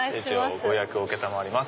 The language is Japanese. ご予約を承ります。